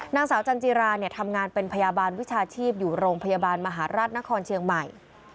นางสาวจันจิราทำงานเป็นพยาบาลวิชาชีพอยู่โรงพยาบาลมหาราชนครเชียงใหม่